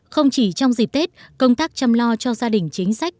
không chỉ trong dịp tết công tác chăm lo cho gia đình chính sách